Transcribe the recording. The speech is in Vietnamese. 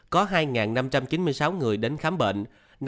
có hai năm trăm chín mươi sáu người đến khám bệnh